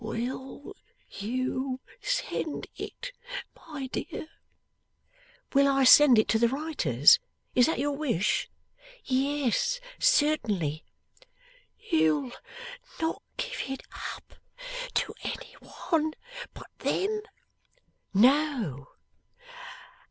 'Will you send it, my dear?' 'Will I send it to the writers? Is that your wish? Yes, certainly.' 'You'll not give it up to any one but them?' 'No.